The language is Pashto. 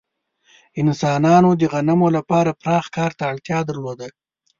انسانانو د غنمو لپاره پراخ کار ته اړتیا درلوده.